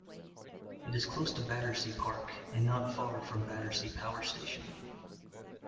It is close to Battersea Park, and not far from Battersea Power Station.